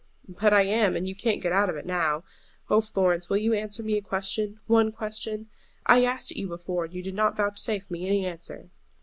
"But I am, and you can't get out of it now. Oh, Florence, will you answer me a question, one question? I asked it you before, and you did not vouchsafe me any answer."